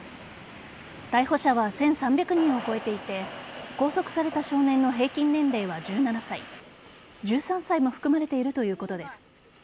逮捕者は１３００人を超えていて拘束された少年の平均年齢は１７歳１３歳も含まれているということです。